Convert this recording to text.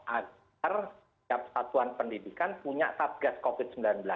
agar setiap satuan pendidikan punya satgas covid sembilan belas